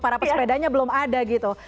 para pesepedanya belum ada gitu